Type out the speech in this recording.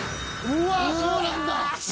うわっそうなんだ。